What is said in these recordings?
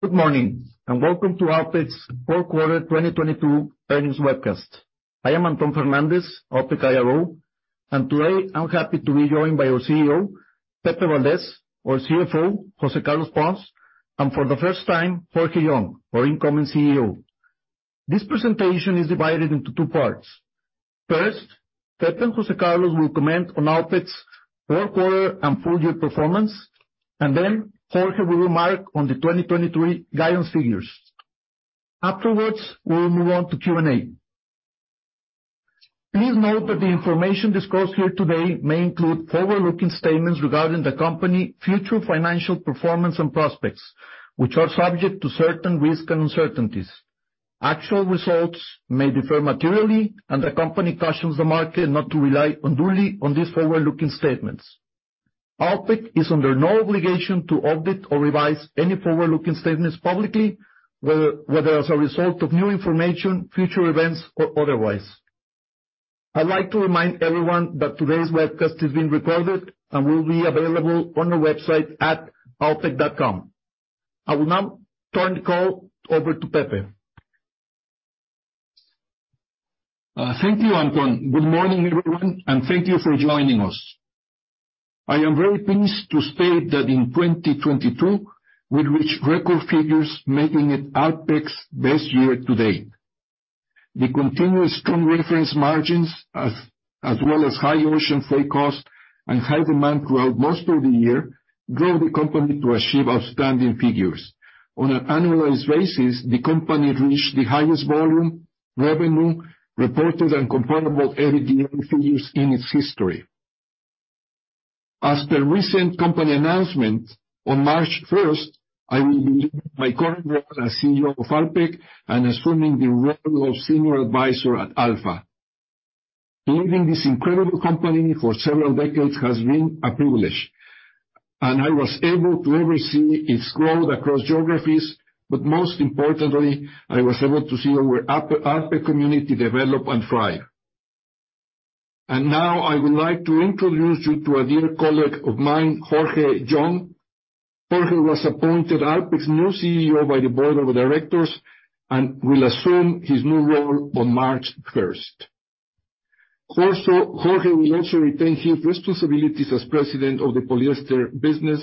Good morning, and welcome to Alpek's fourth quarter 2022 earnings webcast. I am Anton Fernandez, Alpek IRO and today, I'm happy to be joined by our CEO, Pepe Valdez, our CFO, José Carlos Pons, and for the first time, Jorge Young, our incoming CEO. This presentation is divided into two parts. First, Pepe and José Carlos will comment on Alpek's fourth quarter and full year performance. Then Jorge will remark on the 2023 guidance figures. Afterwards, we'll move on to Q&A. Please note that the information disclosed here today may include forward-looking statements regarding the company future financial performance and prospects, which are subject to certain risks and uncertainties. Actual results may differ materially. The company cautions the market not to rely unduly on these forward-looking statements. Alpek is under no obligation to update or revise any forward-looking statements publicly, whether as a result of new information, future events, or otherwise. I'd like to remind everyone that today's webcast is being recorded and will be available on the website at alpek.com. I will now turn the call over to Pepe. Thank you Anton. Good morning everyone, and thank you for joining us. I am very pleased to state that in 2022, we reached record figures, making it Alpek's best year to date. The continuous strong reference margins as well as high ocean freight costs and high demand throughout most of the year drove the company to achieve outstanding figures. On an annualized basis, the company reached the highest volume, revenue, reported and comparable EBITDA figures in its history. As per recent company announcement, on March first, I will be leaving my current role as CEO of Alpek and assuming the role of Senior Advisor at ALFA. Leading this incredible company for several decades has been a privilege, and I was able to oversee its growth across geographies, but most importantly, I was able to see our Alpek community develop and thrive. Now, I would like to introduce you to a dear colleague of mine, Jorge Young. Jorge was appointed Alpek's new CEO by the board of directors and will assume his new role on March first. Course Jorge will also retain his responsibilities as President of the polyester business,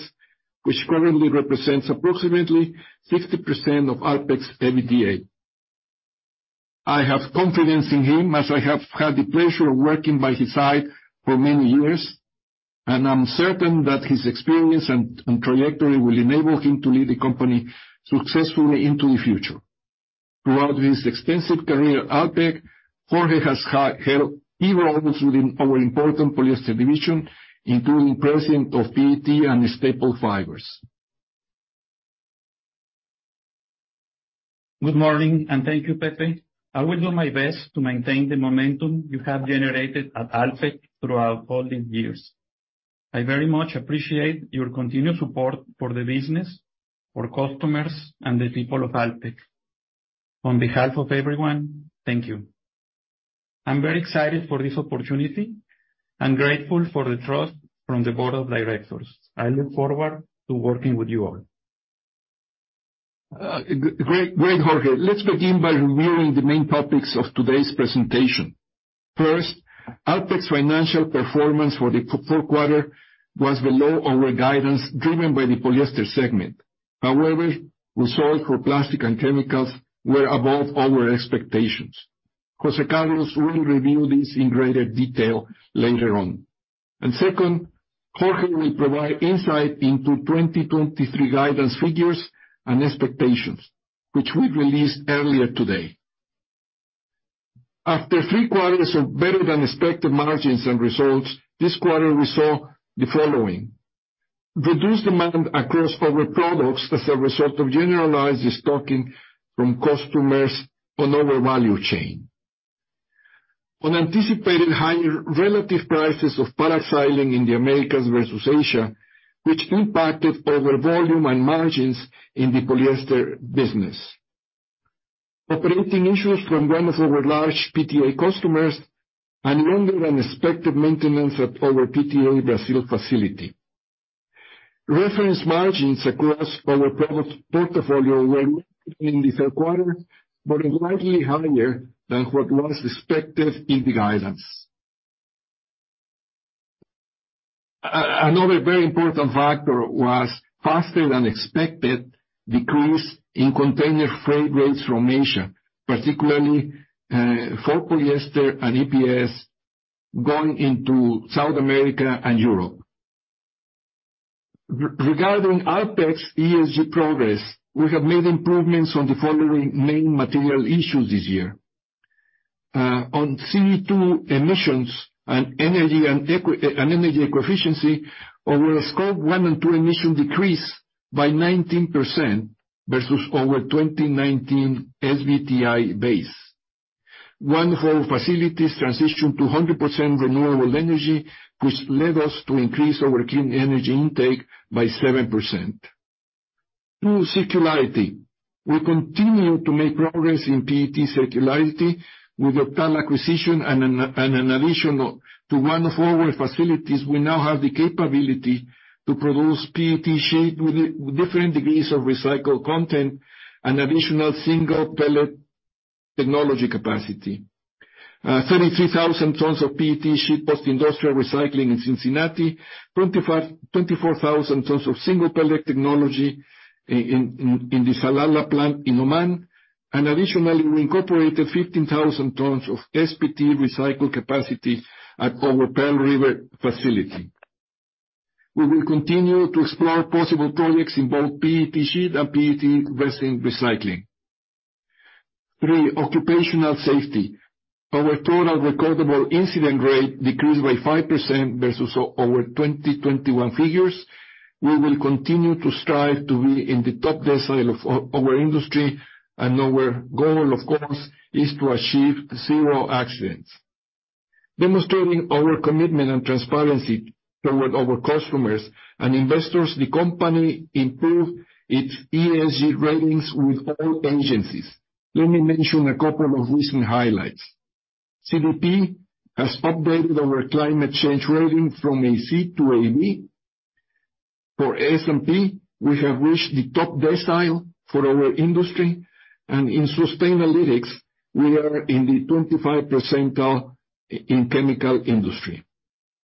which currently represents approximately 60% of Alpek's EBITDA. I have confidence in him as I have had the pleasure of working by his side for many years, and I'm certain that his experience and trajectory will enable him to lead the company successfully into the future. Throughout his extensive career at Alpek, Jorge has held key roles within our important polyester division, including President of PET and Staple Fibers. Good morning. Thank you Pepe. I will do my best to maintain the momentum you have generated at Alpek throughout all these years. I very much appreciate your continued support for the business, for customers, and the people of Alpek. On behalf of everyone, thank you. I'm very excited for this opportunity and grateful for the trust from the board of directors. I look forward to working with you all. Great Jorge. Let's begin by reviewing the main topics of today's presentation. First, Alpek's financial performance for the fourth quarter was below our guidance, driven by the polyester segment. Results for plastic and chemicals were above our expectations. José Carlos will review this in greater detail later on. Second, Jorge will provide insight into 2023 guidance figures and expectations, which we released earlier today. After three quarters of better than expected margins and results, this quarter we saw the following: Reduced demand across our products as a result of generalized stocking from customers on our value chain. Anticipated higher relative prices of Paraxylene in the Americas versus Asia, which impacted our volume and margins in the polyester business. Operating issues from one of our large PTA customers and longer than expected maintenance at our PTA Brazil facility. Reference margins across our product portfolio were in the third quarter, but slightly higher than what was expected in the guidance. Another very important factor was faster than expected decrease in container freight rates from Asia, particularly for polyester and EPS going into South America and Europe. Regarding Alpek's ESG progress, we have made improvements on the following main material issues this year. On CO2 emissions and energy and energy efficiency, our Scope 1 and 2 emission decreased by 19% versus our 2019 SBTI base. One whole facilities transitioned to 100% renewable energy, which led us to increase our clean energy intake by 7%. Two, circularity. We continue to make progress in PET circularity with the OCTAL acquisition and an additional to one of our facilities, we now have the capability to produce PET sheet with the different degrees of recycled content and additional Single Pellet Technology capacity. 33,000 tons of PET sheet post-industrial recycling in Cincinnati, 24,000 tons of Single Pellet Technology in the Salalah plant in Oman. Additionally, we incorporated 15,000 tons of SPT recycled capacity at our Pearl River facility. We will continue to explore possible projects in both PET sheet and PET resin recycling. Three, occupational safety. Our total recordable incident rate decreased by 5% versus our 2021 figures. We will continue to strive to be in the top decile of our industry, and our goal, of course, is to achieve zero accidents. Demonstrating our commitment and transparency toward our customers and investors, the company improved its ESG ratings with all agencies. Let me mention a couple of recent highlights. CDP has updated our climate change rating from a C to a B. For S&P, we have reached the top decile for our industry, and in Sustainalytics, we are in the 25 percentile in chemical industry.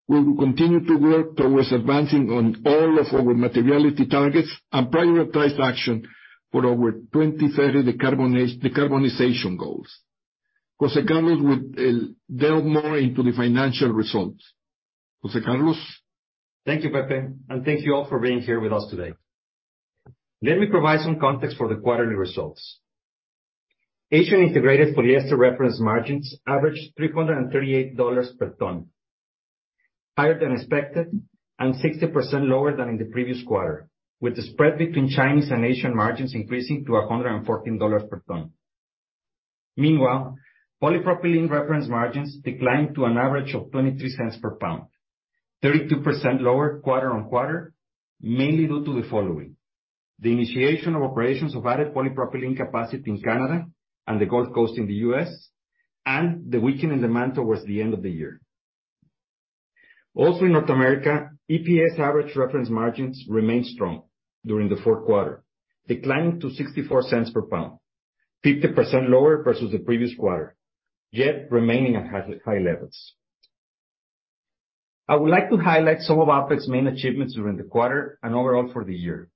We will continue to work towards advancing on all of our materiality targets and prioritize action for our 2030 decarbonization goals. José Carlos will delve more into the financial results. José Carlos? Thank you Pepe, and thank you all for being here with us today. Let me provide some context for the quarterly results. Asian integrated polyester reference margins averaged $338 per ton, higher than expected and 60% lower than in the previous quarter, with the spread between Chinese and Asian margins increasing to $114 per ton. Meanwhile, polypropylene reference margins declined to an average of $0.23 per pound, 32% lower quarter-on-quarter, mainly due to the following: the initiation of operations of added polypropylene capacity in Canada and the Gulf Coast in the U.S., and the weakening demand towards the end of the year. In North America, EPS average reference margins remained strong during the fourth quarter, declining to $0.64 per pound, 50% lower versus the previous quarter, yet remaining at high levels. I would like to highlight some of our best main achievements during the quarter and overall for the year.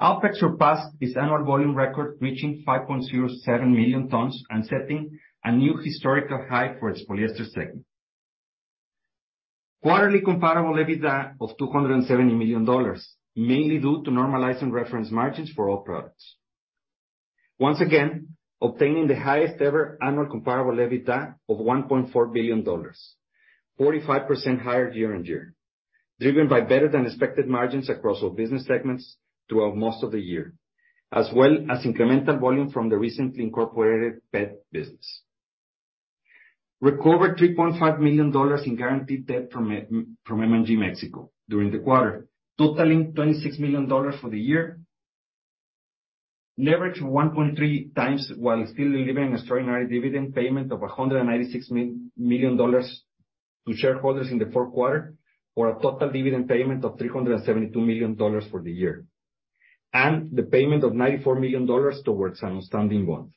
Alpek surpassed its annual volume record, reaching 5.07 million tons and setting a new historical high for its polyester segment. Quarterly comparable EBITDA of $270 million, mainly due to normalizing reference margins for all products. Once again, obtaining the highest ever annual comparable EBITDA of $1.4 billion, 45% higher year-on-year, driven by better than expected margins across all business segments throughout most of the year, as well as incremental volume from the recently incorporated PET business. Recovered $3.5 million in guaranteed debt from M&G Mexico during the quarter, totaling $26 million for the year. Leverage 1.3 times, while still delivering extraordinary dividend payment of $196 million to shareholders in the fourth quarter, for a total dividend payment of $372 million for the year. The payment of $94 million towards outstanding bonds.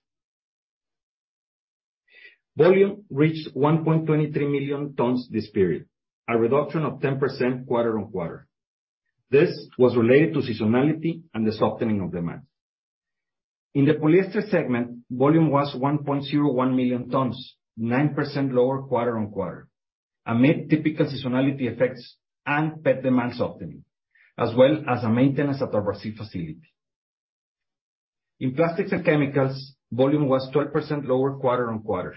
Volume reached 1.23 million tons this period, a reduction of 10% quarter-on-quarter. This was related to seasonality and the softening of demand. In the polyester segment, volume was 1.01 million tons, 9% lower quarter-on-quarter, amid typical seasonality effects and PET demand softening, as well as a maintenance at our Brazil facility. In plastics and chemicals, volume was 12% lower quarter-on-quarter,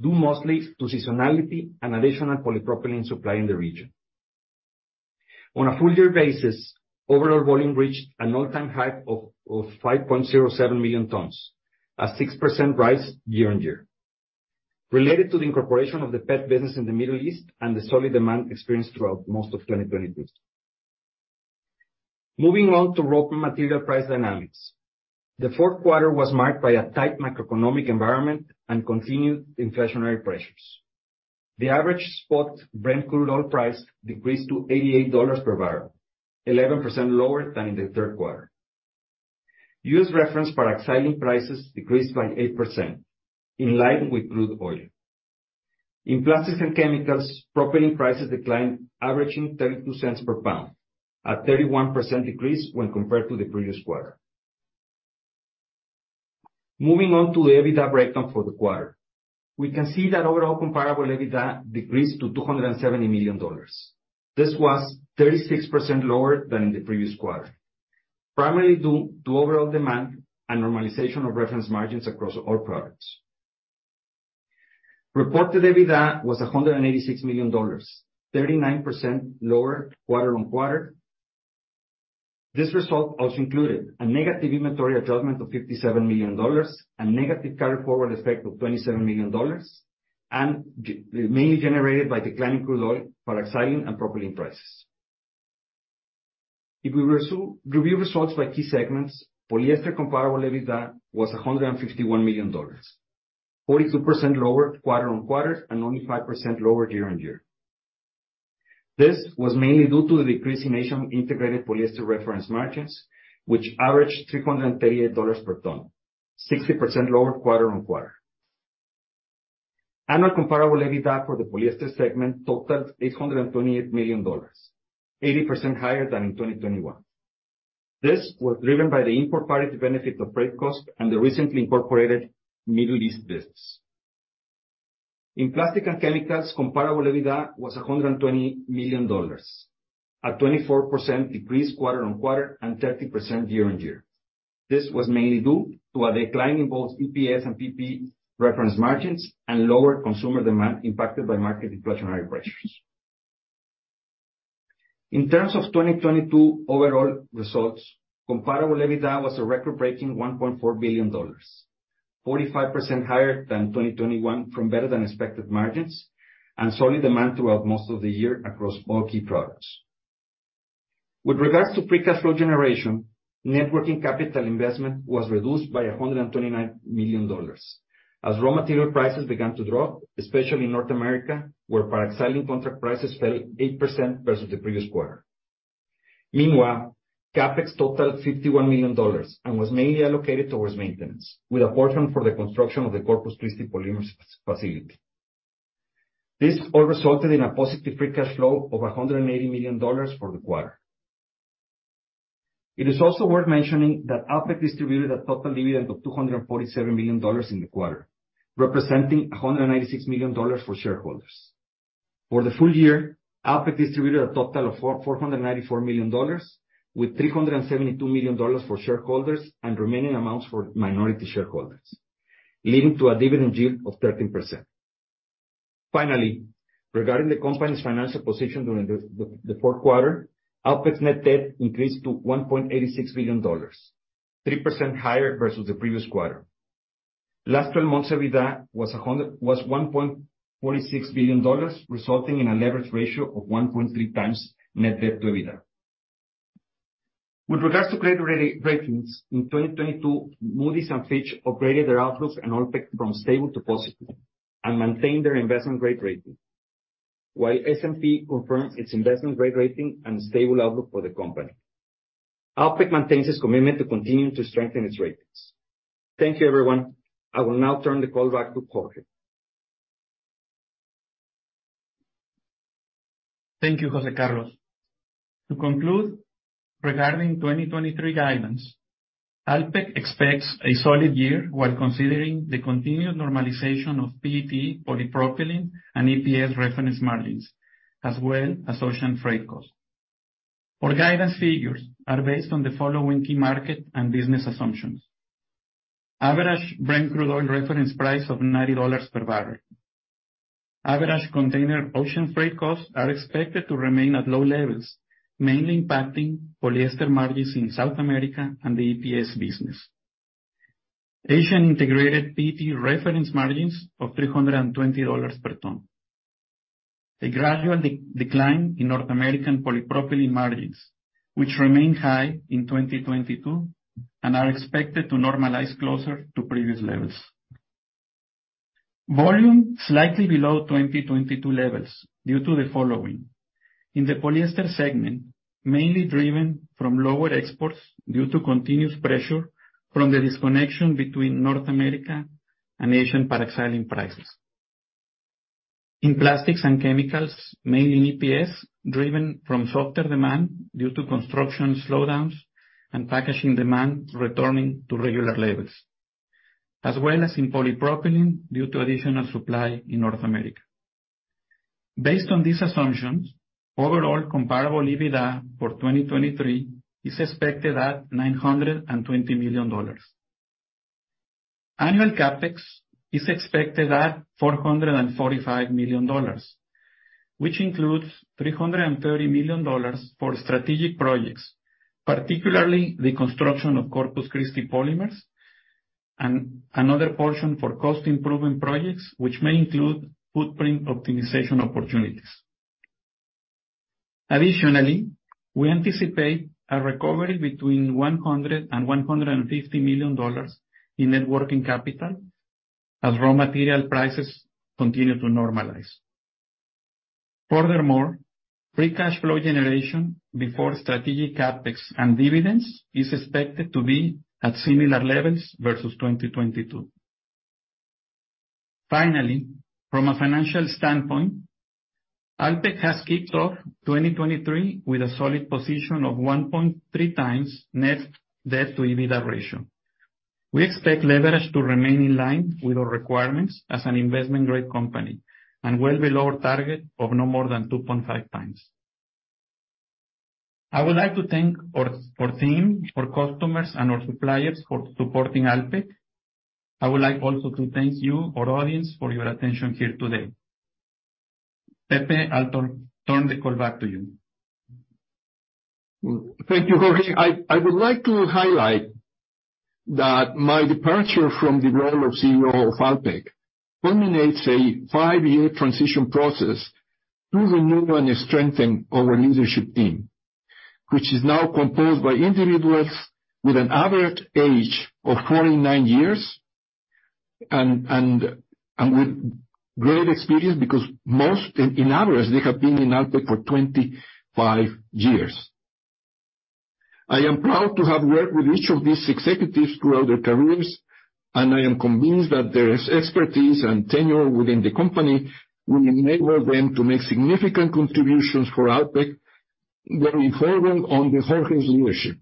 due mostly to seasonality and additional polypropylene supply in the region. On a full year basis, overall volume reached an all-time high of 5.07 million tons, a 6% rise year-over-year, related to the incorporation of the PET business in the Middle East and the solid demand experienced throughout most of 2022. Moving on to raw material price dynamics. The fourth quarter was marked by a tight macroeconomic environment and continued inflationary pressures. The average spot Brent crude oil price decreased to $88 per barrel, 11% lower than in the third quarter. U.S. reference product Styrene prices decreased by 8%, in line with crude oil. In plastics and chemicals, Propylene prices declined, averaging $0.32 per pound, a 31% decrease when compared to the previous quarter. Moving on to the EBITDA breakdown for the quarter. We can see that overall comparable EBITDA decreased to $270 million. This was 36% lower than in the previous quarter, primarily due to overall demand and normalization of reference margins across all products. Reported EBITDA was $186 million, 39% lower quarter-on-quarter. This result also included a negative inventory adjustment of $57 million, a negative carry-forward effect of $27 million, mainly generated by declining crude oil, paraxylene, and propylene prices. We review results by key segments, polyester comparable EBITDA was $151 million, 42% lower quarter-on-quarter, and only 5% lower year-on-year. This was mainly due to the decrease in Asian integrated polyester reference margins, which averaged $338 per ton, 60% lower quarter-on-quarter. Annual comparable EBITDA for the polyester segment totaled $828 million, 80% higher than in 2021. This was driven by the import parity benefit of freight cost and the recently incorporated Middle East business. In plastic and chemicals, comparable EBITDA was $120 million, a 24% decrease quarter-over-quarter and 30% year-over-year. This was mainly due to a decline in both EPS and PP reference margins and lower consumer demand impacted by market inflationary pressures. In terms of 2022 overall results, comparable EBITDA was a record-breaking $1.4 billion, 45% higher than 2021 from better than expected margins and solid demand throughout most of the year across all key products. With regards to free cash flow generation, net working capital investment was reduced by $129 million as raw material prices began to drop, especially in North America, where paraxylene contract prices fell 8% versus the previous quarter. Meanwhile, CapEx totaled $51 million and was mainly allocated towards maintenance, with a portion for the construction of the Corpus Christi Polymers facility. This all resulted in a positive free cash flow of $180 million for the quarter. It is also worth mentioning that Alpek distributed a total dividend of $247 million in the quarter, representing $196 million for shareholders. For the full year, Alpek distributed a total of $494 million with $372 million for shareholders and remaining amounts for minority shareholders, leading to a dividend yield of 13%. Finally, regarding the company's financial position during the fourth quarter, Alpek's net debt increased to $1.86 billion, 3% higher versus the previous quarter. Last 12 months, EBITDA was a hundred... was $1.46 billion, resulting in a leverage ratio of 1.3 times net debt to EBITDA. With regards to credit ratings, in 2022, Moody's and Fitch upgraded their outlooks on Alpek from stable to positive and maintained their investment-grade rating, while S&P confirmed its investment-grade rating and stable outlook for the company. Alpek maintains its commitment to continuing to strengthen its ratings. Thank you, everyone. I will now turn the call back to Jorge. Thank you José Carlos. To conclude, regarding 2023 guidance, Alpek expects a solid year while considering the continued normalization of PET, Polypropylene, and EPS reference margins, as well as ocean freight costs. Our guidance figures are based on the following key market and business assumptions. Average Brent Crude oil reference price of $90 per barrel. Average container ocean freight costs are expected to remain at low levels, mainly impacting Polyester margins in South America and the EPS business. Asian integrated PET reference margins of $320 per ton. A gradual decline in North American Polypropylene margins, which remained high in 2022 and are expected to normalize closer to previous levels. Volume slightly below 2022 levels due to the following. In the Polyester segment, mainly driven from lower exports due to continuous pressure from the disconnection between North America and Asian Paraxylene prices. In plastics and chemicals, mainly EPS, driven from softer demand due to construction slowdowns and packaging demand returning to regular levels, as well as in polypropylene due to additional supply in North America. Based on these assumptions, overall comparable EBITDA for 2023 is expected at $920 million. Annual CapEx is expected at $445 million, which includes $330 million for strategic projects, particularly the construction of Corpus Christi Polymers and another portion for cost improvement projects, which may include footprint optimization opportunities. We anticipate a recovery between $100 million and $150 million in net working capital as raw material prices continue to normalize. Free cash flow generation before strategic CapEx and dividends is expected to be at similar levels versus 2022. Finally, from a financial standpoint, Alpek has kicked off 2023 with a solid position of 1.3 times net debt to EBITDA ratio. We expect leverage to remain in line with our requirements as an investment-grade company and well below our target of no more than 2.5 times. I would like to thank our team, our customers, and our suppliers for supporting Alpek. I would like also to thank you, our audience, for your attention here today. Pepe, I'll turn the call back to you. Thank you, Jorge. I would like to highlight that my departure from the role of CEO of Alpek culminates a five-year transition process to renew and strengthen our leadership team, which is now composed by individuals with an average age of 49 years and with great experience, because most in average, they have been in Alpek for 25 years. I am proud to have worked with each of these executives throughout their careers, and I am convinced that their expertise and tenure within the company will enable them to make significant contributions for Alpek going forward under Jorge's leadership.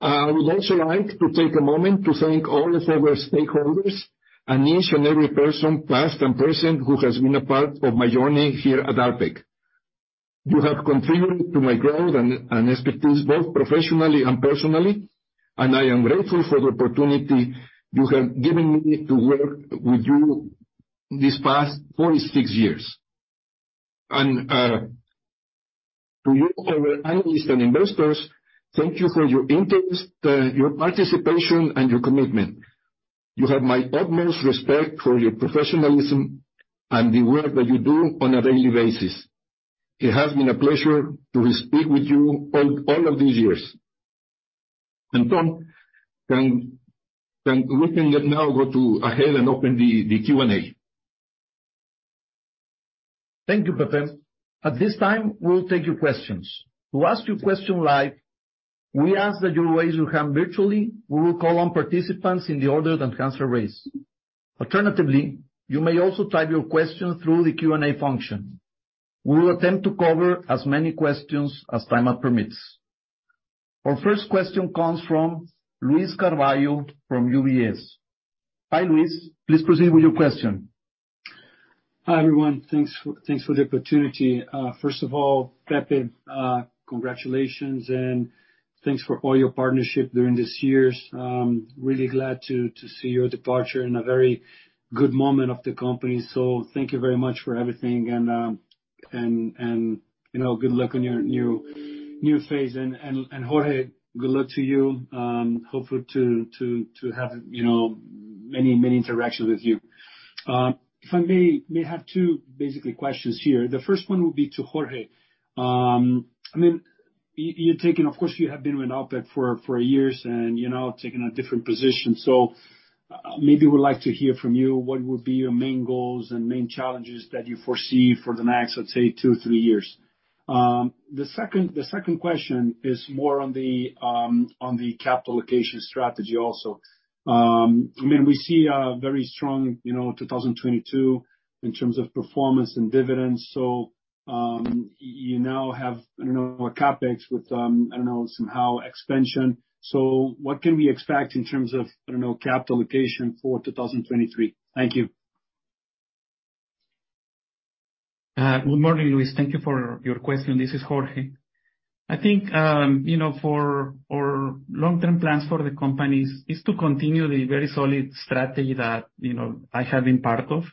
I would also like to take a moment to thank all of our stakeholders and each and every person, past and present, who has been a part of my journey here at Alpek. You have contributed to my growth and expertise, both professionally and personally, and I am grateful for the opportunity you have given me to work with you these past 46 years. To you, our analysts and investors, thank you for your interest, your participation, and your commitment. You have my utmost respect for your professionalism and the work that you do on a daily basis. It has been a pleasure to speak with you all of these years. Tom, we can now go ahead and open the Q&A. Thank you, Pepe. At this time, we'll take your questions. To ask your question live, we ask that you raise your hand virtually. We will call on participants in the order that answers raised. Alternatively, you may also type your question through the Q&A function. We will attempt to cover as many questions as time permits. Our first question comes from Luiz Carvalho from UBS. Hi Luis. Please proceed with your question. Hi everyone. Thanks for the opportunity. First of all, Pepe, congratulations and thanks for all your partnership during these years. Really glad to see your departure in a very good moment of the company, so thank you very much for everything and you know, good luck on your new phase. Jorge, good luck to you. Hopeful to have, you know, many interactions with you. If I may have two basically questions here. The first one would be to Jorge. I mean, you're taking. Of course, you have been with Alpek for years and, you know, taking a different position, so maybe we'd like to hear from you what would be your main goals and main challenges that you foresee for the next, let's say, two, three years. The second question is more on the capital allocation strategy also. I mean, we see a very strong, you know, 2022 in terms of performance and dividends, you now have, I don't know, a CapEx with, I don't know, somehow expansion. What can we expect in terms of, I don't know, capital allocation for 2023? Thank you. Good morning Luis. Thank you for your question. This is Jorge. I think, you know, for our long-term plans for the company is to continue the very solid strategy that, you know, I have been part of.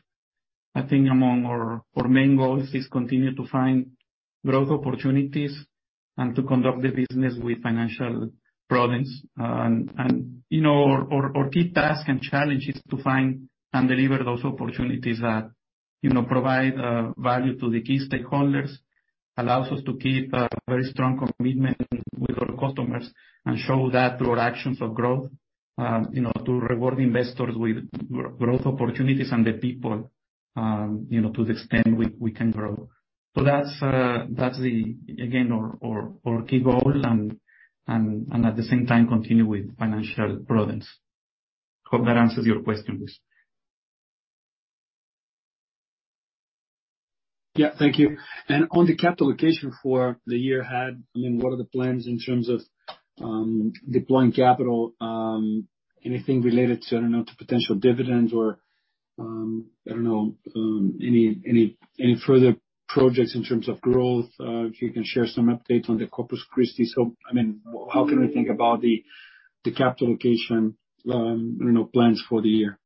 I think among our main goals is continue to find growth opportunities and to conduct the business with financial prudence. You know, our key task and challenge is to find and deliver those opportunities that, you know, provide value to the key stakeholders, allows us to keep a very strong commitment with our customers, and show that through our actions of growth, you know, to reward investors with growth opportunities and the people, you know, to the extent we can grow. That's the, again, our key goal and at the same time continue with financial prudence. Hope that answers your question Luis. Yeah. Thank you. On the capital allocation for the year ahead, I mean, what are the plans in terms of deploying capital? Anything related to, I don't know, to potential dividends or, I don't know, any further projects in terms of growth? If you can share some updates on the Corpus Christi? I mean, how can we think about the capital allocation, you know, plans for the year?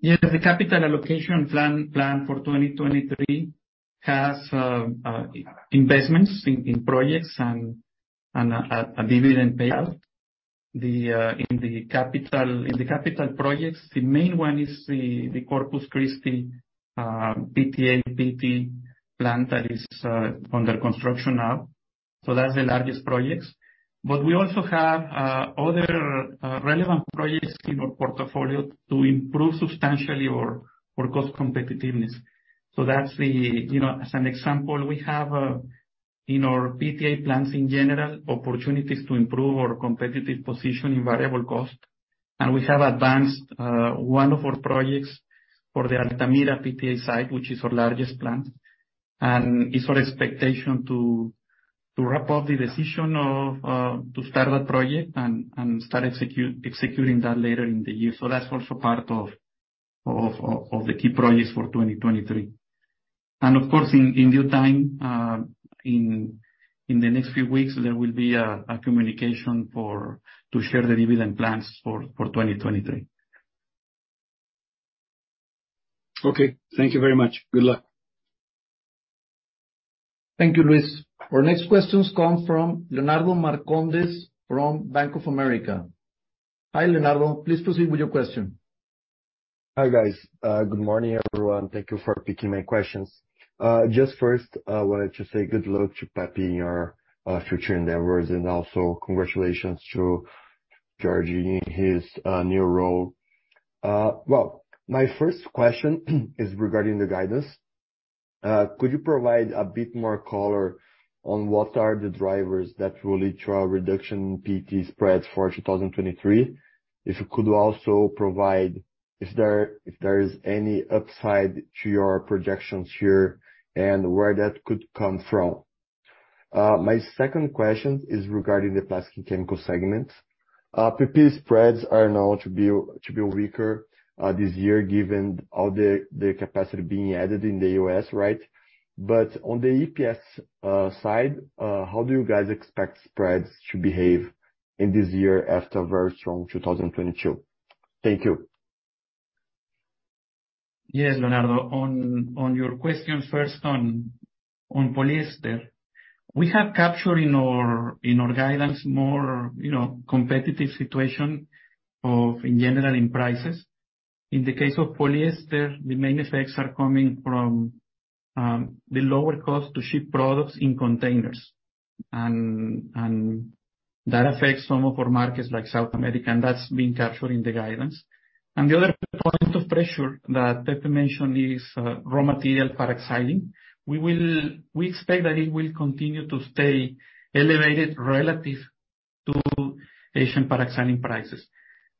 Yeah. The capital allocation plan for 2023 has investments in projects and a dividend payout. The in the capital projects, the main one is the Corpus Christi PTA, PET plant that is under construction now. That's the largest projects. We also have other relevant projects in our portfolio to improve substantially our cost competitiveness. That's the... You know, as an example, we have in our PTA plans in general, opportunities to improve our competitive position in variable cost. We have advanced one of our projects for the Altamira PTA site, which is our largest plant. It's our expectation to wrap up the decision to start that project and start executing that later in the year. That's also part of the key projects for 2023. Of course, in due time, in the next few weeks, there will be a communication to share the dividend plans for 2023. Okay. Thank you very much. Good luck. Thank you Luiz. Our next questions come from Leonardo Marcondes from Bank of America. Hi Leonardo. Please proceed with your question. Hi guys. Good morning everyone. Thank you for taking my questions. Just first, I wanted to say good luck to Pepe in your future endeavors, and also congratulations to Jorge in his new role. Well, my first question is regarding the guidance. Could you provide a bit more color on what are the drivers that will lead to a reduction in PET spreads for 2023? If you could also provide if there is any upside to your projections here, and where that could come from. My second question is regarding the plastic chemical segment. Polypropylene spreads are known to be weaker this year given all the capacity being added in the U.S., right? On the EPS side, how do you guys expect spreads to behave in this year after a very strong 2022? Thank you. Yes, Leonardo. On your question first on polyester, we have captured in our guidance more, you know, competitive situation of... in general, in prices. In the case of polyester, the main effects are coming from the lower cost to ship products in containers. That affects some of our markets like South America, and that's being captured in the guidance. The other point of pressure that Pepe mentioned is raw material paraxylene. We expect that it will continue to stay elevated relative to Asian paraxylene prices.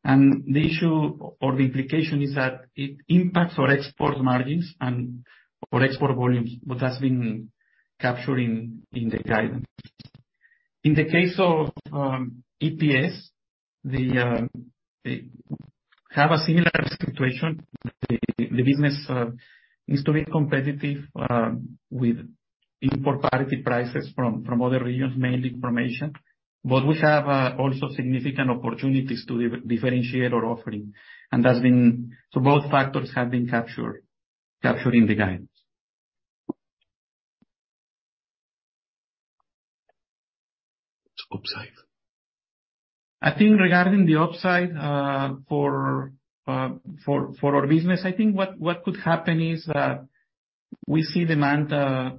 The issue or the implication is that it impacts our export margins and our export volumes, what has been captured in the guidance. In the case of EPS, the... have a similar situation. The business is to be competitive with import parity prices from other regions, mainly from Asia. We have also significant opportunities to differentiate our offering. That's been. Both factors have been captured in the guidance. Upside. I think regarding the upside, for our business, I think what could happen is, we see demand,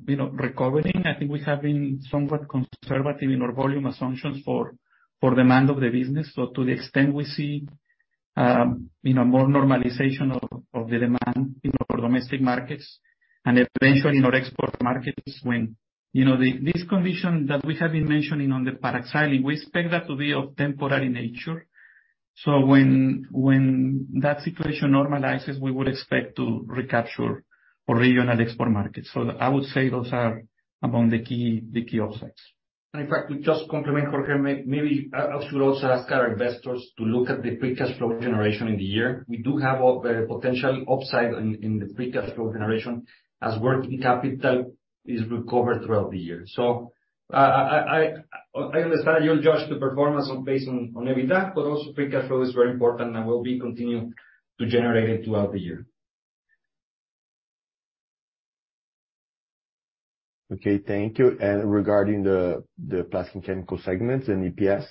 you know, recovering. I think we have been somewhat conservative in our volume assumptions for demand of the business. So to the extent we see, you know, more normalization of the demand in our domestic markets and eventually in our export markets when. You know, this condition that we have been mentioning on the Paraxylene, we expect that to be of temporary nature. So when that situation normalizes, we would expect to recapture our regional export markets. So I would say those are among the key upsides. In fact, to just complement Jorge, maybe I should also ask our investors to look at the free cash flow generation in the year. We do have a potential upside in the free cash flow generation as working capital is recovered throughout the year. I understand you'll judge the performance on based on EBITDA, but also free cash flow is very important and will be continued to generate it throughout the year. Okay. Thank you. Regarding the plastic chemical segments and EPS?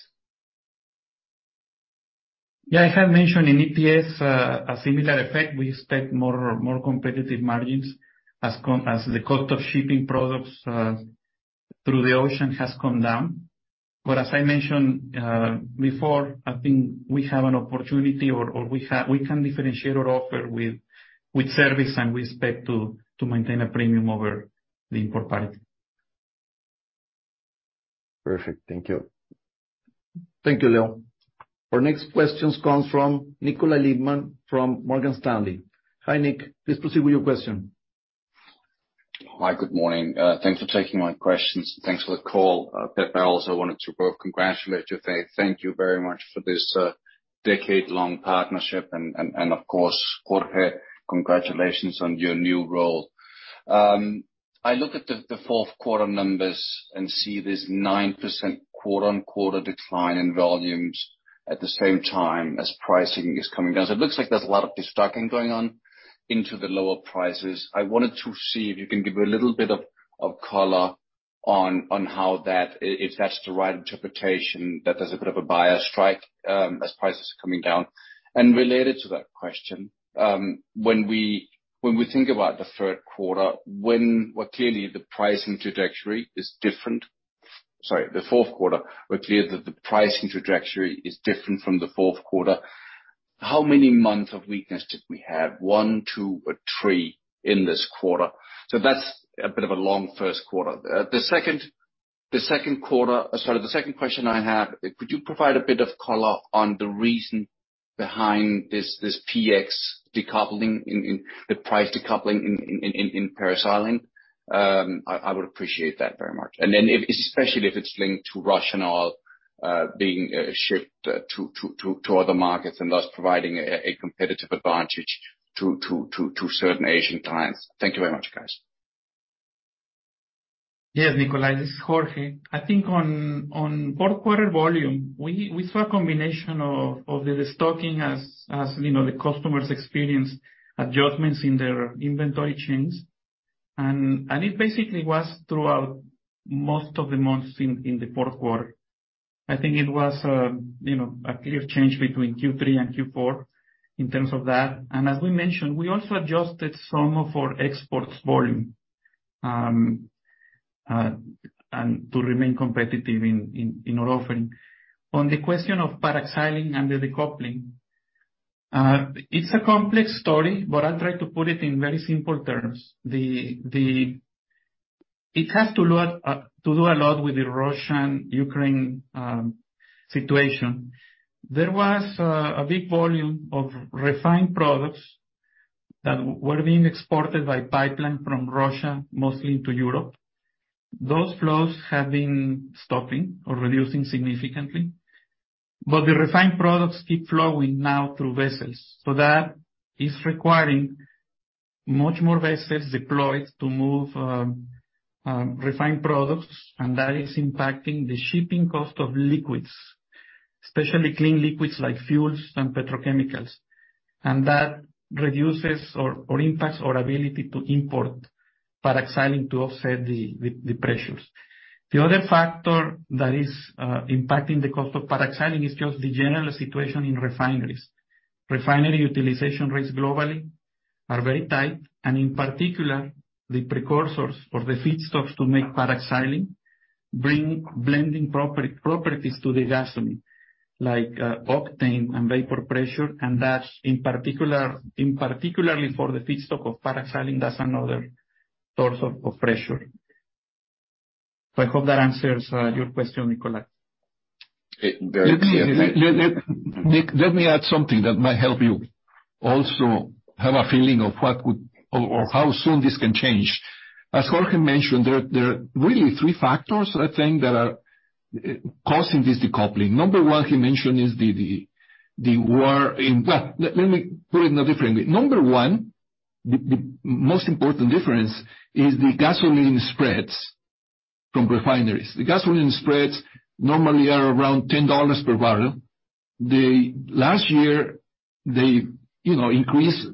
I have mentioned in EPS a similar effect. We expect more competitive margins as the cost of shipping products through the ocean has come down. As I mentioned before, I think we have an opportunity or we can differentiate our offer with service, and we expect to maintain a premium over the import parity. Perfect. Thank you. Thank you Leo. Our next questions comes from Nikolaj Lippmann from Morgan Stanley. Hi Nic. Please proceed with your question. Hi. Good morning. Thanks for taking my questions. Thanks for the call. Pepe, I also wanted to both congratulate you. Thank you very much for this decade-long partnership and, and of course, Jorge, congratulations on your new role. I look at the fourth quarter numbers and see this 9% quarter-on-quarter decline in volumes at the same time as pricing is coming down. It looks like there's a lot of destocking going on into the lower prices. I wanted to see if you can give a little bit of color on how that... if that's the right interpretation, that there's a bit of a buyer strike as prices are coming down. Related to that question, when we think about the third quarter, when... Well, clearly the pricing trajectory is different. Sorry, the fourth quarter, we're clear that the pricing trajectory is different from the fourth quarter. How many months of weakness did we have? One, two, or three in this quarter? That's a bit of a long first quarter. Sorry. The second question I have, could you provide a bit of color on the reason behind the PX decoupling, the price decoupling in Paraxylene? I would appreciate that very much. If, especially if it's linked to Russian oil, being shipped to other markets and thus providing a competitive advantage to certain Asian clients. Thank you very much, guys. Yes Nikolaj, this is Jorge. I think on fourth quarter volume, we saw a combination of the restocking as, you know, the customers experience adjustments in their inventory chains. It basically was throughout most of the months in the fourth quarter. I think it was, you know, a clear change between Q3 and Q4 in terms of that. As we mentioned, we also adjusted some of our exports volume and to remain competitive in Northam. On the question of Paraxylene and the decoupling, it's a complex story, but I'll try to put it in very simple terms. It has to do a lot with the Russian-Ukrainian situation. There was a big volume of refined products that were being exported by pipeline from Russia, mostly into Europe. Those flows have been stopping or reducing significantly. The refined products keep flowing now through vessels. That is requiring much more vessels deployed to move refined products, and that is impacting the shipping cost of liquids, especially clean liquids like fuels and petrochemicals. That reduces or impacts our ability to import Paraxylene to offset the pressures. The other factor that is impacting the cost of Paraxylene is just the general situation in refineries. Refinery utilization rates globally are very tight. In particular, the precursors or the feedstocks to make Paraxylene bring blending properties to the gasoline, like octane and vapor pressure, and that's in particular for the feedstock of Paraxylene, that's another source of pressure. I hope that answers your question, Nikolaj. Very clear. Let me, Nick, let me add something that might help you also have a feeling of what could or how soon this can change. As Jorge mentioned, there are really three factors I think there are causing this decoupling. Number one, he mentioned is the war in. Let me put it in a different way. Number one, the most important difference is the gasoline spreads from refineries. The gasoline spreads normally are around $10 per barrel. They, last year, they, you know, increased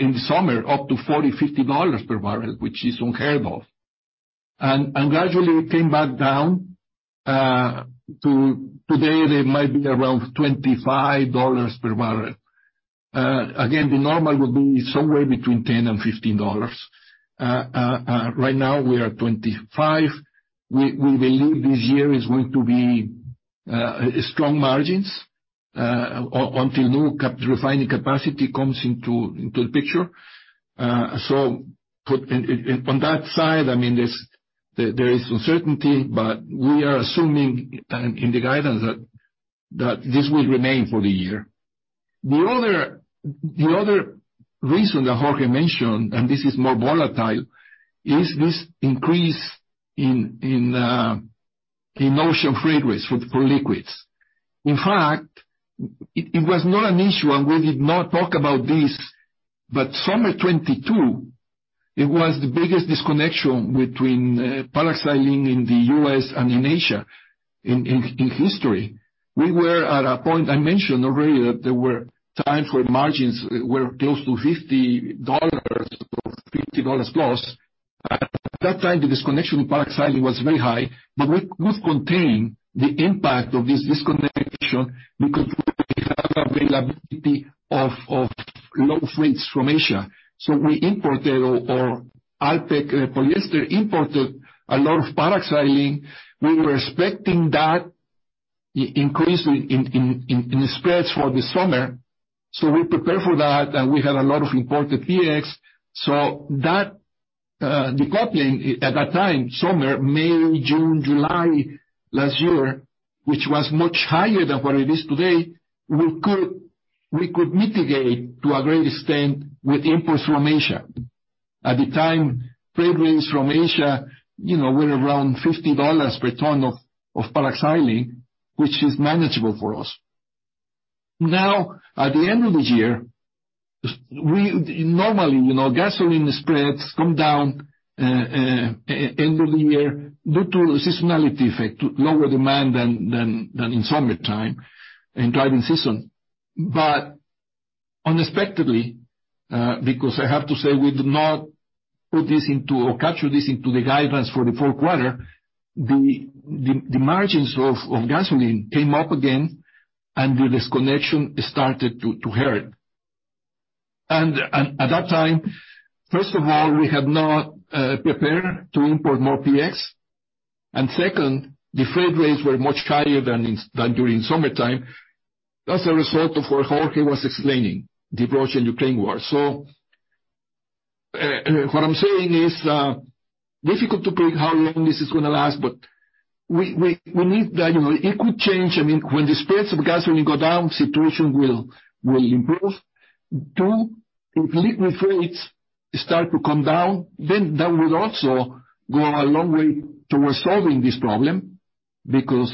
in the summer up to $40-$50 per barrel, which is unheard of. Gradually it came back down to today, they might be around $25 per barrel. Again, the normal would be somewhere between $10 and $15. Right now, we are at $25. We believe this year is going to be strong margins until new cap-refining capacity comes into the picture. On that side, I mean, there's uncertainty, but we are assuming in the guidance that this will remain for the year. The other reason that Jorge mentioned, and this is more volatile, is this increase in ocean freight rates for liquids. In fact, it was not an issue, and we did not talk about this, but summer 2022, it was the biggest disconnection between paraxylene in the U.S. and in Asia in history. We were at a point, I mentioned already that there were times where margins were close to $50 or $50-plus. At that time, the disconnection in Paraxylene was very high, we've contained the impact of this disconnection because we have availability of low rates from Asia. We imported or Alpek Polyester imported a lot of Paraxylene. We were expecting that increase in the spreads for the summer. We prepared for that, and we had a lot of imported PX. That decoupling at that time, summer, May, June, July last year, which was much higher than what it is today, we could mitigate to a great extent with imports from Asia. At the time, freight rates from Asia, you know, were around $50 per ton of Paraxylene, which is manageable for us. At the end of the year, normally, you know, gasoline spreads come down, end of the year due to seasonality effect, lower demand than in summertime and driving season. Unexpectedly, because I have to say we did not put this into or capture this into the guidance for the fourth quarter, the margins of gasoline came up again, and the disconnection started to hurt. At that time, first of all, we have not prepared to import more PX. Second, the freight rates were much higher than during summertime. That's a result of what Jorge was explaining, the Russo-Ukrainian war. What I'm saying is, difficult to predict how long this is gonna last, but we need the, you know, it could change. I mean, when the spreads of gasoline go down, situation will improve. Two, if rates start to come down, then that will also go a long way towards solving this problem. Because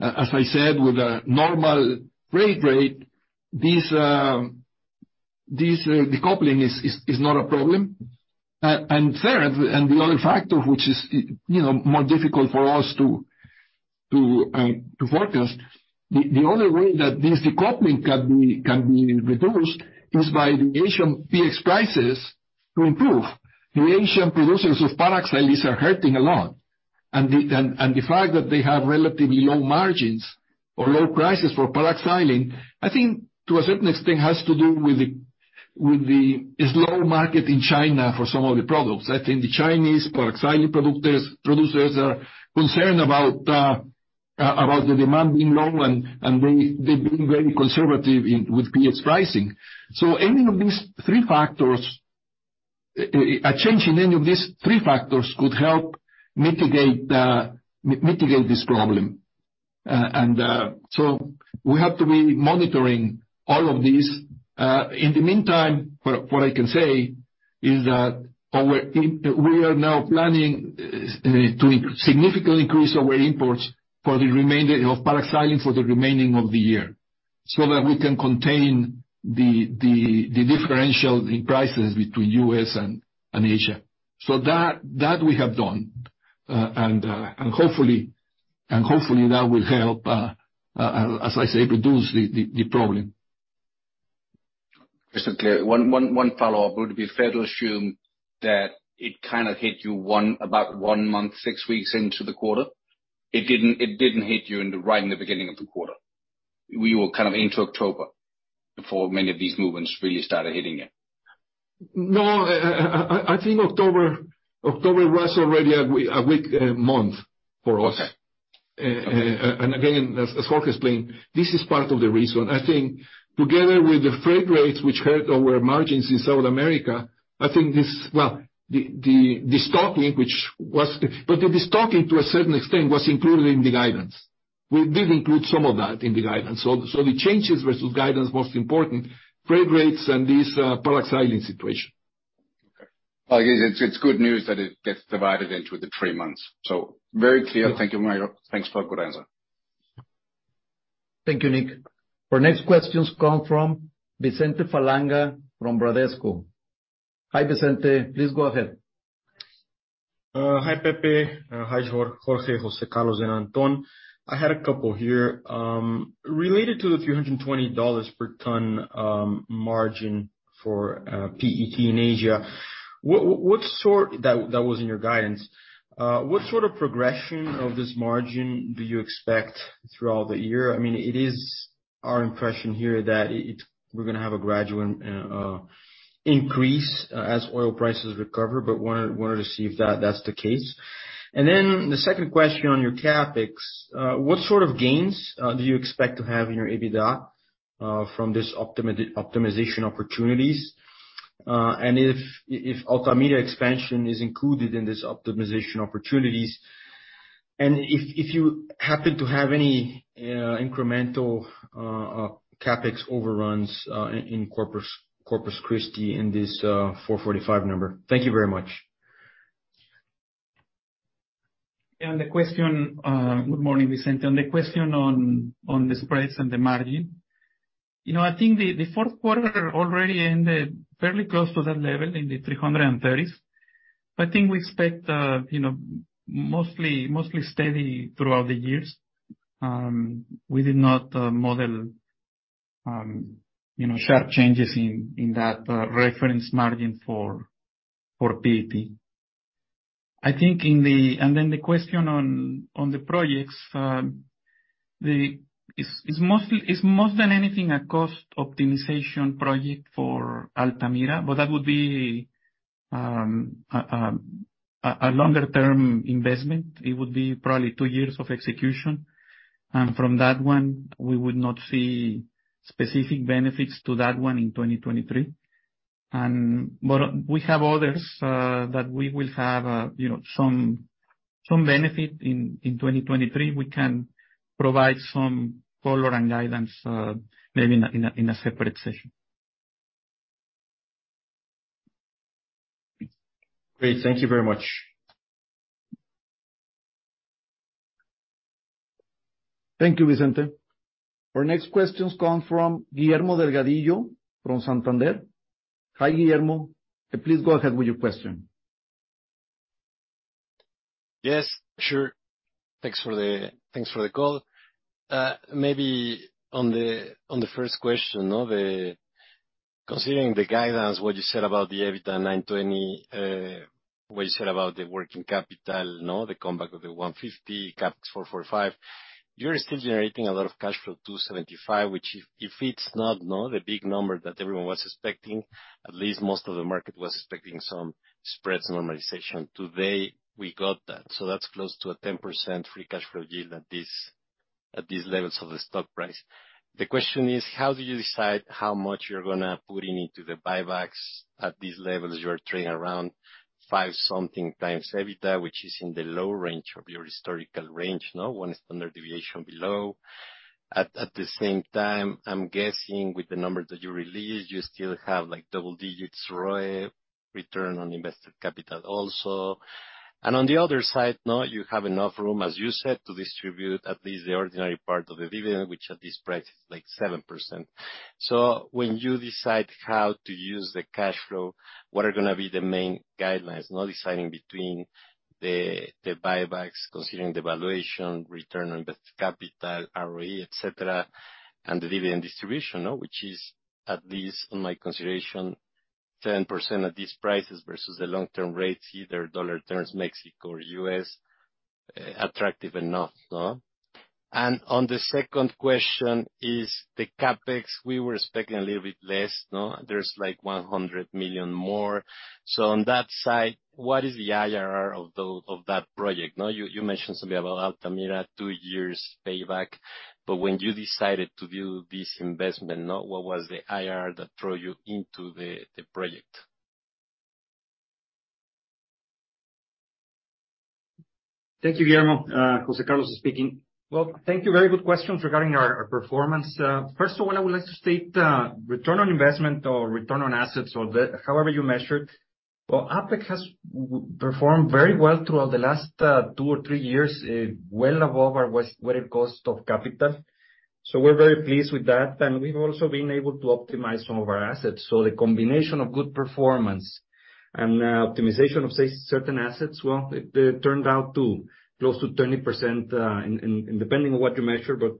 as I said, with a normal freight rate, this decoupling is not a problem. Third, and the other factor which is, you know, more difficult for us to forecast, the only way that this decoupling can be reduced is by the Asian PX prices to improve. The Asian producers of paraxylene are hurting a lot. The fact that they have relatively low margins or low prices for paraxylene, I think to a certain extent has to do with the slow market in China for some of the products. I think the Chinese Paraxylene producers are concerned about the demand being low and they're being very conservative with PX pricing. Any of these three factors. A change in any of these three factors could help mitigate this problem. We have to be monitoring all of these. In the meantime, what I can say is that we are now planning to significantly increase our imports for the remainder of Paraxylene for the remaining of the year, that we can contain the differential in prices between U.S. and Asia. That we have done. Hopefully that will help, as I say, reduce the problem. Just to clear, one follow-up. Would it be fair to assume that it kind of hit you about one month, six weeks into the quarter? It didn't hit you right in the beginning of the quarter. We were kind of into October before many of these movements really started hitting you. No. I think October was already a weak month for us. Okay. Again, as Jorge explained, this is part of the reason. I think together with the freight rates which hurt our margins in South America, I think this. The stocking, to a certain extent, was included in the guidance. We did include some of that in the guidance. The changes versus guidance, most important, freight rates and this, Paraxylene situation. Okay. I guess it's good news that it gets divided into the three months, so very clear. Thank you. Thanks for a good answer. Thank you Nick. Our next questions come from Vicente Falanga from Bradesco. Hi Vicente, please go ahead. Hi Pepe. Hi Jorge, Jose Carlos, and Anton. I had a couple here. Related to the $320 per ton margin for PET in Asia, that was in your guidance. What sort of progression of this margin do you expect throughout the year? I mean, it is our impression here that it's, we're gonna have a gradual increase as oil prices recover, but wanted to see if that's the case. The second question on your CapEx. What sort of gains do you expect to have in your EBITDA from this optimization opportunities? If Altamira expansion is included in this optimization opportunities? If you happen to have any incremental CapEx overruns in Corpus Christi in this $445 number. Thank you very much. Yeah on the question, good morning Vicente. On the question on the spreads and the margin. You know, I think the fourth quarter already ended fairly close to that level in the 330s. I think we expect, you know, mostly steady throughout the years. We did not model, you know, sharp changes in that reference margin for PET. The question on the projects. It's mostly, it's more than anything a cost optimization project for Altamira, but that would be a longer term investment. It would be probably two years of execution. From that one, we would not see specific benefits to that one in 2023. We have others, that we will have, you know, some benefit in 2023. We can provide some color and guidance, maybe in a separate session. Great. Thank you very much. Thank you Vicente. Our next questions come from Guillermo Delgadillo from Santander. Hi Guillermo. Please go ahead with your question. Yes, sure. Thanks for the call. Maybe on the first question. Considering the guidance, what you said about the EBITDA $920, what you said about the working capital, no, the comeback of the $150, CapEx $445. You're still generating a lot of cash flow, $275, which if it's not, no, the big number that everyone was expecting, at least most of the market was expecting some spreads normalization. Today, we got that. That's close to a 10% free cash flow yield at these levels of the stock price. The question is: How do you decide how much you're gonna put into the buybacks at these levels? You're trading around five-something times EBITDA, which is in the low range of your historical range, no? 1 standard deviation below. At the same time, I'm guessing with the numbers that you released, you still have like double digits ROE. Return on invested capital also, and on the other side, now you have enough room, as you said, to distribute at least the ordinary part of the dividend, which at this price is like 7%. When you decide how to use the cash flow, what are gonna be the main guidelines, not deciding between the buybacks, considering the valuation, return on invested capital, ROE, et cetera, and the dividend distribution, which is at least in my consideration, 10% of these prices versus the long-term rates, either dollar terms, Mexico or U.S., attractive enough. On the second question is the CapEx, we were expecting a little bit less, no? There's like $100 million more, so on that side, what is the IRR of that project? Now, you mentioned something about Altamira two years payback. When you decided to do this investment, now what was the IRR that throw you into the project? Thank you Guillermo. José Carlos speaking. Well, thank you. Very good questions regarding our performance. First of all, I would like to state, return on investment or return on assets or however you measure. Well Alpek has performed very well throughout the last two or three years, well above our weighted cost of capital. We're very pleased with that. We've also been able to optimize some of our assets. The combination of good performance and optimization of certain assets, well, it turned out to close to 20%, in, and depending on what you measure, but,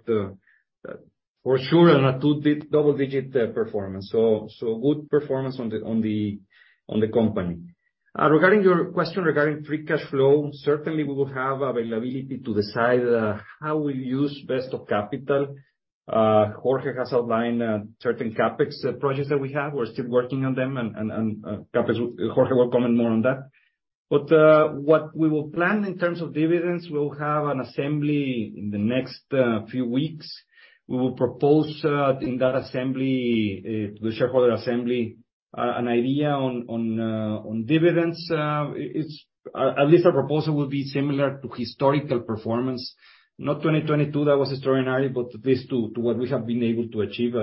for sure, on a double-digit performance. Good performance on the company. Regarding your question regarding free cash flow, certainly we will have availability to decide how we use best of capital. Jorge has outlined certain CapEx projects that we have. We're still working on them and CapEx, Jorge will comment more on that. What we will plan in terms of dividends, we'll have an assembly in the next few weeks. We will propose in that assembly, the shareholder assembly, an idea on dividends. It's at least our proposal will be similar to historical performance, not 2022, that was extraordinary, but at least to what we have been able to achieve,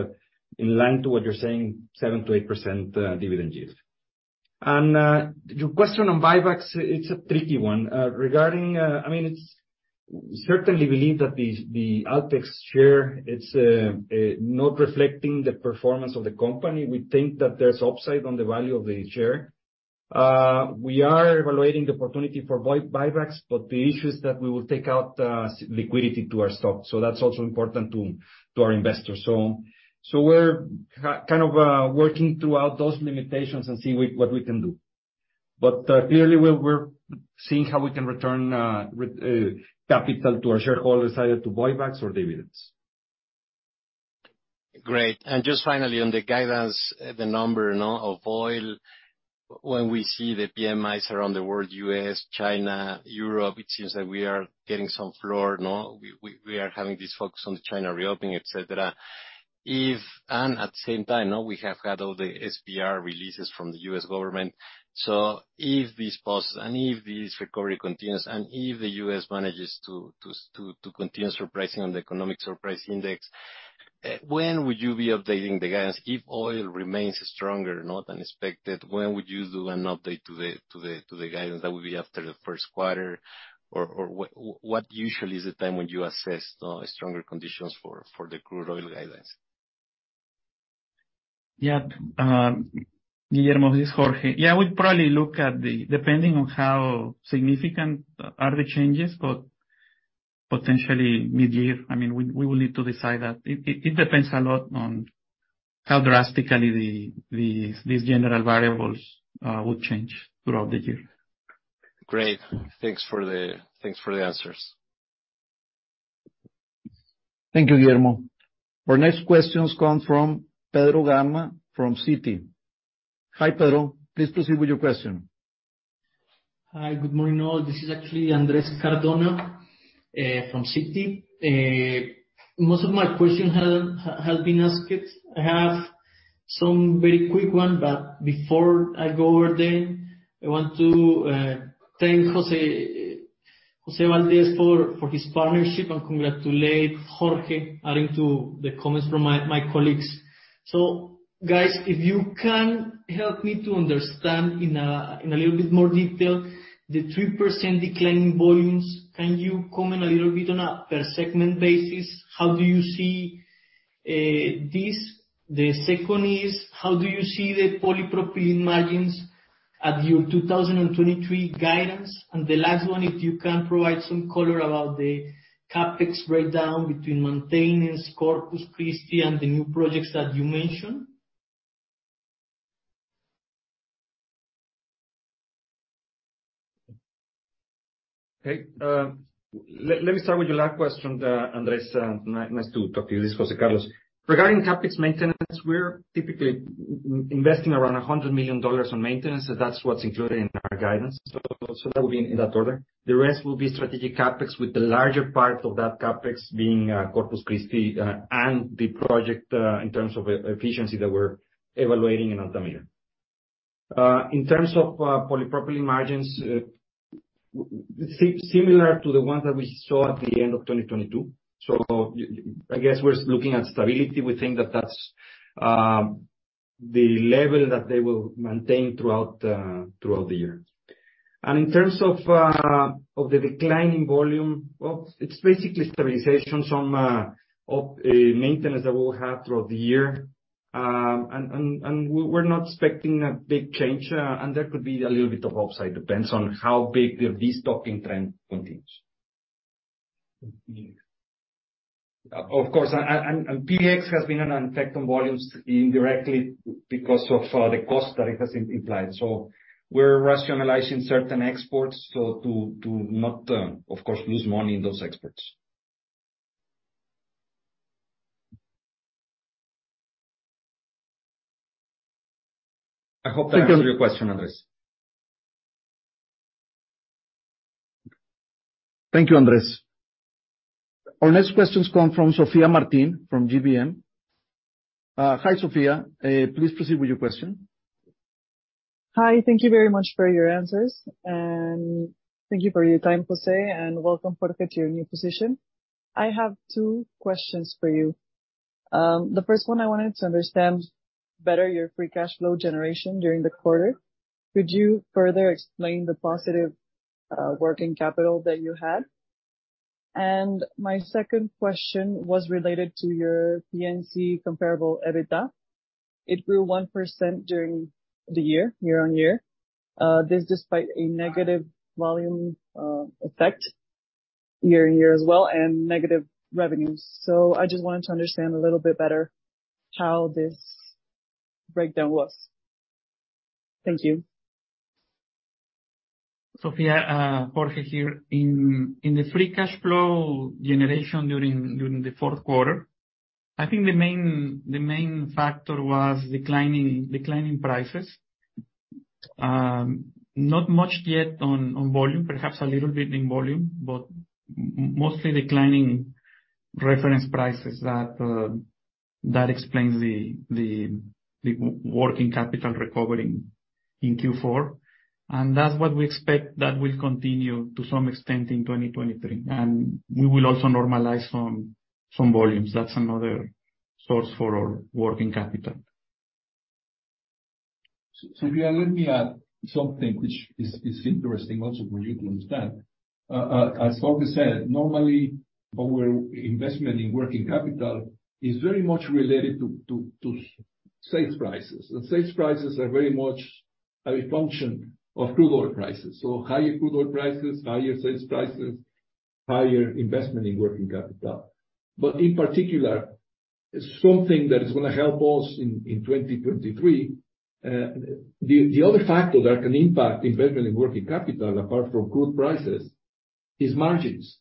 in line to what you're saying, 7%-8% dividend yield. Your question on buybacks, it's a tricky one. Regarding, I mean, it's... Certainly believe that the Alpek's share, it's not reflecting the performance of the company. We think that there's upside on the value of the share. We are evaluating the opportunity for buybacks, but the issue is that we will take out liquidity to our stock, so that's also important to our investors. So we're kind of working throughout those limitations and see what we can do. But clearly, we're seeing how we can return capital to our shareholders, either to buybacks or dividends. Great. Just finally, on the guidance, the number, no, of oil, when we see the PMIs around the world, U.S., China, Europe, it seems that we are getting some floor, no? We are having this focus on China reopening, et cetera. At the same time, no, we have had all the SPR releases from the U.S. government. If this passes and if this recovery continues, and if the U.S. manages to continue surprising on the economic surprise index, when would you be updating the guidance? If oil remains stronger, not unexpected, when would you do an update to the guidance? That will be after the first quarter or what usually is the time when you assess the stronger conditions for the crude oil guidance? Guillermo, this is Jorge. We'll probably look at the. Depending on how significant are the changes, but potentially mid-year. I mean, we will need to decide that. It depends a lot on how drastically these general variables will change throughout the year. Great. Thanks for the answers. Thank you Guillermo. Our next question comes from Pedro Gama from Citi. Hi, Pedro. Please proceed with your question. Hi. Good morning all. This is actually Andres Cardona from Citi. Most of my question has been asked. I have some very quick one, but before I go over there, I want to thank José for his partnership and congratulate Jorge, adding to the comments from my colleagues. Guys, if you can help me to understand in a little bit more detail the 3% decline in volumes. Can you comment a little bit on a per segment basis? How do you see this? The second is how do you see the Polypropylene margins at your 2023 guidance? The last one, if you can provide some color about the CapEx breakdown between maintenance, Corpus Christi and the new projects that you mentioned. Okay. Let me start with your last question Andres. Nice to talk to you. This is José Carlos Pons. Regarding CapEx maintenance, we're typically investing around $100 million on maintenance. That's what's included in our guidance. That would be in that order. The rest will be strategic CapEx, with the larger part of that CapEx being, Corpus Christi, and the project in terms of efficiency that we're evaluating in Altamira. In terms of Polypropylene margins, similar to the ones that we saw at the end of 2022. I guess we're looking at stability. We think that that's the level that they will maintain throughout the year. In terms of the decline in volume, well, it's basically stabilizations on maintenance that we'll have throughout the year. We're not expecting a big change, and there could be a little bit of upside. Depends on how big the destocking trend continues. Mm. Of course. PDX has been an effect on volumes indirectly because of the cost that it has implied. We're rationalizing certain exports to not, of course, lose money in those exports. I hope that answers your question Andres. Thank you Andres. Our next question comes from Sofía Martin from GBM. Hi Sofía. Please proceed with your question. Hi. Thank you very much for your answers, and thank you for your time José, and welcome, Jorge, to your new position. I have two questions for you. The first one I wanted to understand better your free cash flow generation during the quarter. Could you further explain the positive working capital that you had? My second question was related to your P&C comparable EBITDA. It grew 1% during the year-over-year. This despite a negative volume effect year-over-year as well, and negative revenues. I just wanted to understand a little bit better how this breakdown was. Thank you. Sofía, Jorge here. In the free cash flow generation during the fourth quarter, I think the main factor was declining prices. Not much yet on volume, perhaps a little bit in volume, but mostly declining reference prices that explains the working capital recovery in Q4. That's what we expect that will continue to some extent in 2023. We will also normalize some volumes. That's another source for our working capital. Sofía, let me add something which is interesting also for you to understand. As Jorge said, normally our investment in working capital is very much related to sales prices. Sales prices are very much a function of crude oil prices. Higher crude oil prices, higher sales prices, higher investment in working capital. In particular, something that is gonna help us in 2023, the other factor that can impact investment in working capital, apart from crude prices, is margins.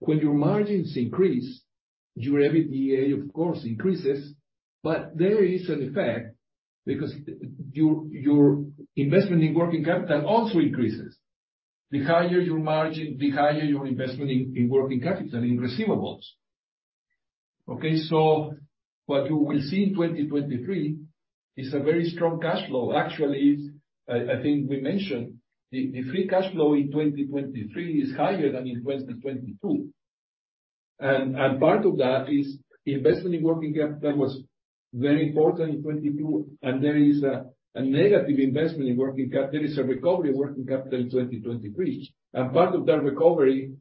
When your margins increase, your EBITDA, of course, increases, but there is an effect because your investment in working capital also increases. The higher your margin, the higher your investment in working capital, in receivables. Okay. What you will see in 2023 is a very strong cash flow. Actually, I think we mentioned the free cash flow in 2023 is higher than in 2022. Part of that is investment in working capital was very important in 2022, and there is a negative investment in working capital. There is a recovery of working capital in 2023. Part of that recovery,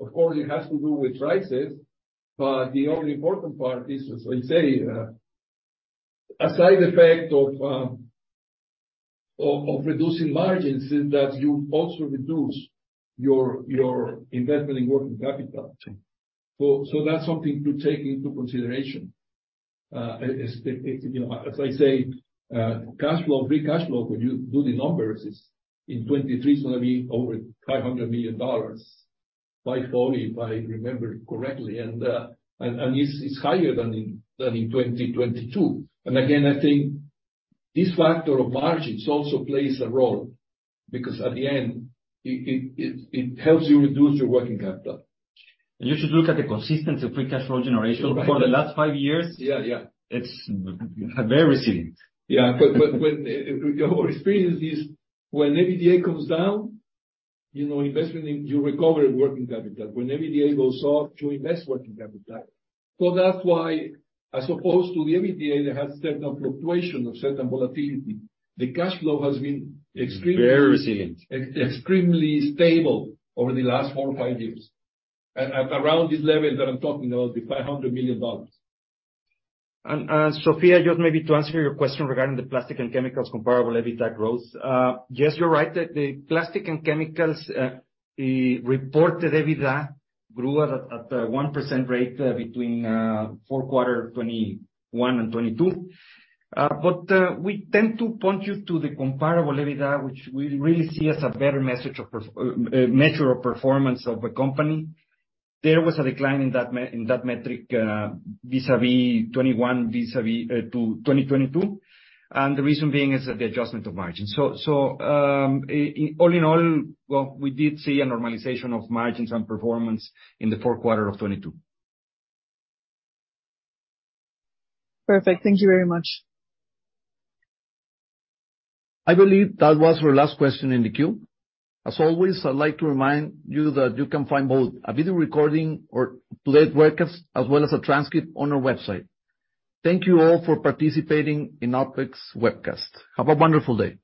of course, it has to do with prices, but the other important part is, as I say, a side effect of reducing margins is that you also reduce your investment in working capital. That's something to take into consideration. As you know, as I say, cash flow, free cash flow, when you do the numbers is in 2023 it's gonna be over $500 million, $540 million, if I remember correctly. It's higher than in 2022. Again, I think this factor of margins also plays a role because at the end, it helps you reduce your working capital. You should look at the consistency of free cash flow generation for the last five years. Yeah. Yeah. It's very resilient. Yeah. But when your experience is when EBITDA comes down, you know, investment in... You recover working capital. When EBITDA goes up, you invest working capital. That's why as opposed to the EBITDA that has certain fluctuations or certain volatility, the cash flow has been extremely- Very resilient.... extremely stable over the last four or five years. At around this level that I'm talking about, the $500 million. Sofía, just maybe to answer your question regarding the Plastic and Chemicals comparable EBITDA growth. Yes, you're right. The Plastic and Chemicals, the reported EBITDA grew at a 1% rate between fourth quarter of 2021 and 2022. We tend to point you to the comparable EBITDA, which we really see as a better measure of performance of the company. There was a decline in that metric vis-a-vis 2021, vis-a-vis 2022. The reason being is the adjustment of margins. All in all, well, we did see a normalization of margins and performance in the fourth quarter of 2022. Perfect. Thank you very much. I believe that was our last question in the queue. As always, I'd like to remind you that you can find both a video recording or played webcast as well as a transcript on our website. Thank you all for participating in our FX webcast. Have a wonderful day.